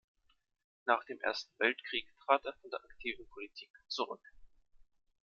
Nach dem Ersten Weltkrieg trat er von der aktiven Politik zurück.